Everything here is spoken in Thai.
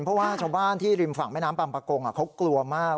เพราะว่าชาวบ้านที่ริมฝั่งแม่น้ำปัมปะโกงเขากลัวมาก